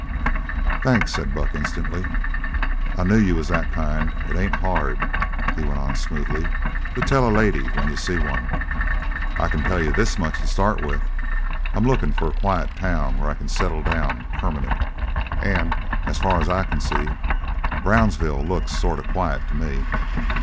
"Thanks," said Buck instantly. "I knew you was that kind. It ain't hard," he went on smoothly, "to tell a lady when you see one. I can tell you this much to start with. I'm lookin' for a quiet town where I can settle down permanent. And as far as I can see, Brownsville looks sort of quiet to me."